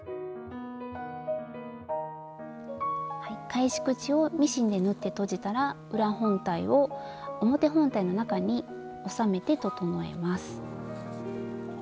返し口をミシンで縫ってとじたら裏本体を表本体の中に収めて整えます。